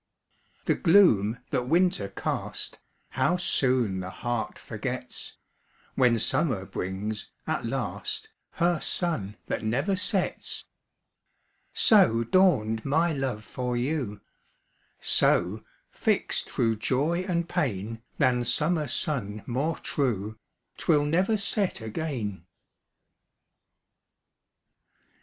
The gloom that winter cast, How soon the heart forgets, When summer brings, at last, Her sun that never sets! So dawned my love for you; So, fixt thro' joy and pain, Than summer sun more true, 'Twill never set again.